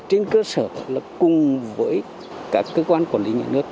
trên cơ sở là cùng với các cơ quan quản lý nhà nước